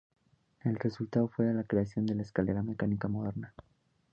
El resultado fue la creación de la escalera mecánica moderna.